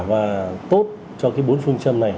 và tốt cho cái bốn phương châm này